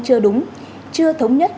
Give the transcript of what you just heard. chưa đúng chưa thống nhất